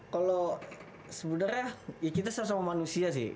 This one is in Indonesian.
kalau sebenarnya ya kita sama sama manusia sih